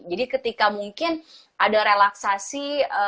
jadi ketika mungkin ada relaksasi